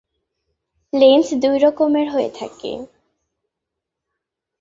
Lens দুই রকম হয়ে থাকে।